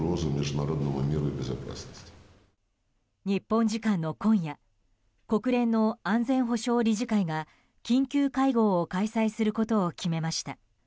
日本時間の今夜国連の安全保障理事会が緊急会合を開催することを決めました。